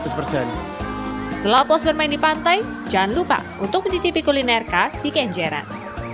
setelah puas bermain di pantai jangan lupa untuk mencicipi kuliner khas di kenjeran